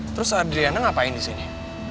terus adriana ngapain disini